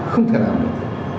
không thể làm được